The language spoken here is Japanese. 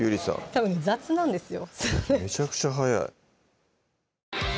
たぶん雑なんですよ